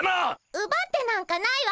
うばってなんかないわ。